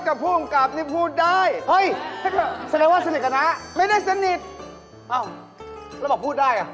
ก็เป็นบริเวณวัด